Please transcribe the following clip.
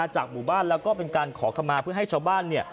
จากหมู่บ้านแล้วก็เป็นการขอขมาเพื่อให้ชาวบ้านเนี่ย